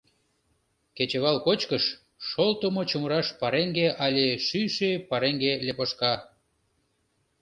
Кечывал кочкыш — шолтымо чумыраш пареҥге але шӱйшӧ пареҥге лепошка.